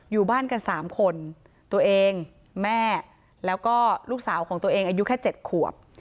อยู่บ้านกัน๓คนตัวเองแม่แล้วก็ลูกสาวของตัวเองอายุแค่๗ขวบ